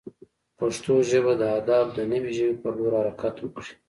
پښتو ژبه د ادب د نوې ژبې پر لور حرکت وکړي.